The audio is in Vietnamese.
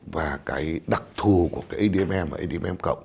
và cái đặc thù của cái admm admm cộng